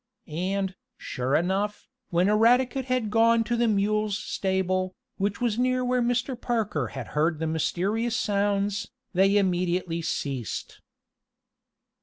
And, sure enough, when Eradicate had gone to the mule's stable, which was near where Mr. Parker had heard the mysterious sounds, they immediately ceased.